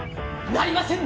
なりません！